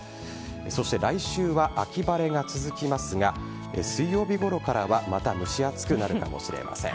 そして来週は秋晴れが続きますが水曜日ごろからはまた蒸し暑くなるかもしれません。